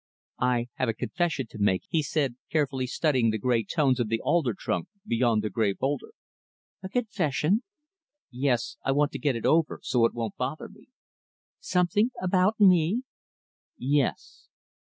"I have a confession to make," he said, carefully studying the gray tones of the alder trunk beyond the gray boulder. "A confession?" "Yes, I want to get it over so it won't bother me." "Something about me?" "Yes."